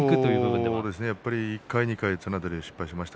１回２回綱取りは経験しました。